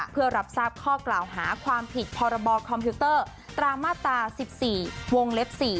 เพื่อรับทราบข้อกล่าวหาความผิดพคตรามาตรา๑๔วงเล็บ๔